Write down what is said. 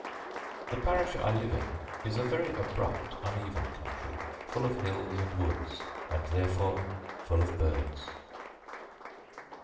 The parish I live in is a very abrupt, uneven country, full of hills and woods, and therefore full of birds.